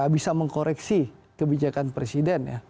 bisa mengkoreksi kebijakan presiden